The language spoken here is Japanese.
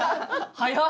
早っ！